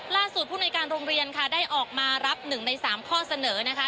ผู้ในการโรงเรียนค่ะได้ออกมารับ๑ใน๓ข้อเสนอนะคะ